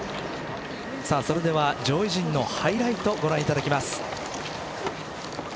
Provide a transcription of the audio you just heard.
それでは上位陣のハイライトご覧いただきます。